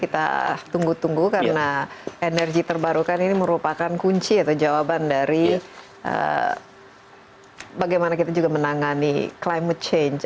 kita tunggu tunggu karena energi terbarukan ini merupakan kunci atau jawaban dari bagaimana kita juga menangani climate change